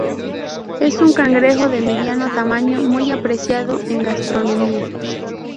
Es un cangrejo de mediano tamaño muy apreciado en gastronomía.